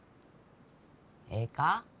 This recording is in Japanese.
ええか？